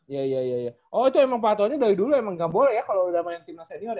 iya iya iya iya oh itu emang peratuhannya dari dulu emang gak boleh ya kalo udah main timnas senior ya